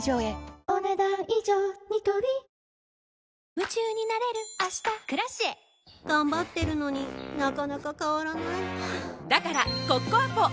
夢中になれる明日「Ｋｒａｃｉｅ」頑張ってるのになかなか変わらないはぁだからコッコアポ！